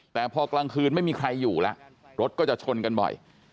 แต่พอกลางคืนไม่มีใครอยู่แล้วรถก็จะชนกันบ่อย